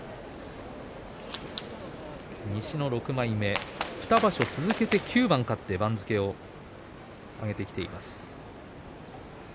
西の６枚目、２場所続けて９番勝って、番付を上げてきています。